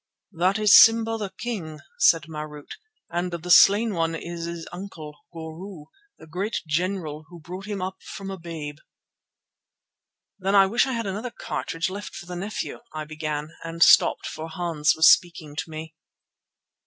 "That is Simba the King," said Marût, "and the slain one is his uncle, Goru, the great general who brought him up from a babe." "Then I wish I had another cartridge left for the nephew," I began and stopped, for Hans was speaking to me.